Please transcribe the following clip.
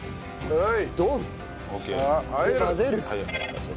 はい。